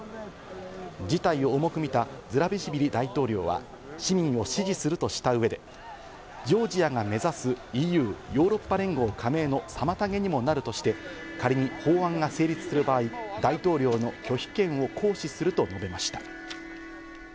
事態を重く見たズラビシビリ大統領は市民を支持するとした上で、ジョージアが目指す、ＥＵ＝ヨーロッパ連合加盟の妨げにもなるとして、仮に法案が成立する場合、大統領の拒否権を行使すると述べました。